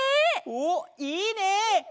おっいいね！